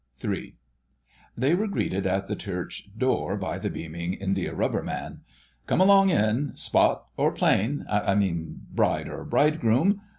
*III.* They were greeted at the church door by the beaming Indiarubber Man. "Come along in—spot or plain?—I mean Bride or Bridegroom?